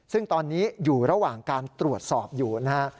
ซึ่งตอนนี้อยู่ระหว่างการตรวจสอบอยู่นะฮะ